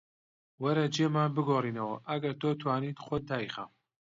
وەرە جێمان بگۆڕینەوە، ئەگەر تۆ توانیت خۆت دایخە